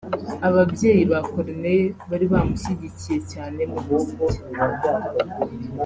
Ababyeyi ba Corneille bari bamushyigikiye cyane mu muziki